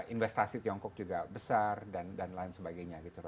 investasi tiongkok juga besar dan lain sebagainya